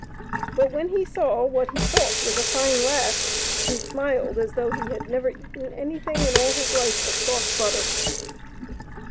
But when he saw what he thought was a fine lass, he smiled as though he had never eaten anything in all his life but soft butter.